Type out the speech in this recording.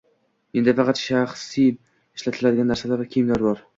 Menda faqat shaxsiy ishlatiladigan narsalar va kiyimlar bor.